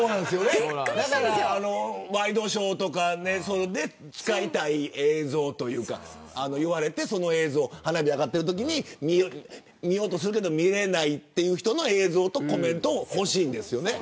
ワイドショーとか使いたい映像というか花火が上がっているときに見ようとするけど見れないという人の映像とコメントが欲しいんですよね。